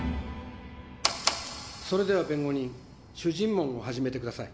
それでは弁護人主尋問を始めてください